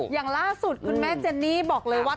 อย่างล่าสุดคุณแม่เจนนี่บอกเลยว่า